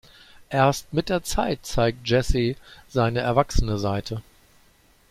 Erst mit der Zeit zeigt Jesse seine erwachsene Seite.